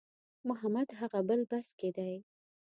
محمد هغه بل بس کې دی.